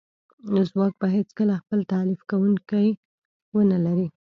ځواک به هیڅکله خپل تالیف کونکی ونه لري